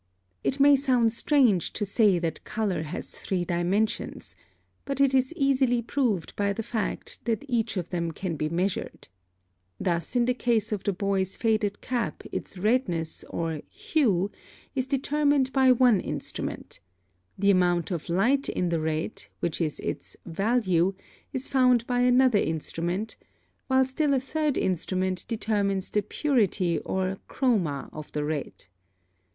+ (8) It may sound strange to say that color has three dimensions, but it is easily proved by the fact that each of them can be measured. Thus in the case of the boy's faded cap its redness or HUE is determined by one instrument; the amount of light in the red, which is its VALUE, is found by another instrument; while still a third instrument determines the purity or CHROMA of the red.